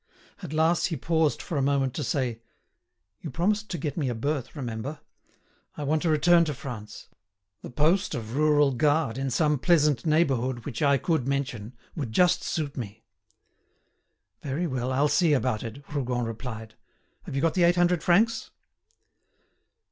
At last he paused for a moment to say: "You promised to get me a berth, remember. I want to return to France. The post of rural guard in some pleasant neighbourhood which I could mention, would just suit me." "Very well, I'll see about it," Rougon replied. "Have you got the eight hundred francs?"